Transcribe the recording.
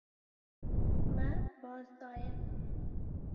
Me baz daye.